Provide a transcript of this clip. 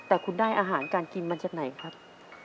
แต่คุณได้อาหารการกินมาจากไหนครับ